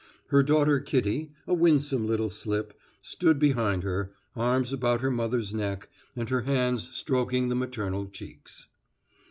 Her daughter Kitty, a winsome little slip, stood behind her, arms about the mother's neck, and her hands stroking the maternal cheeks.